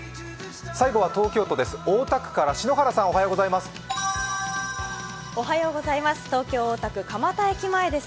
最後は東京都です、大田区から篠原さんおはようございます。